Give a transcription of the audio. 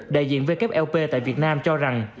đại diện wlp tại việt nam cho rằng